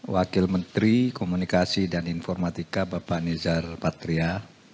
wakil menteri komunikasi dan informatika bapak nezar patria